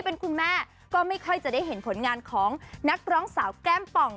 เป็นคุณแม่ก็ไม่ค่อยจะได้เห็นผลงานของนักร้องสาวแก้มป่อง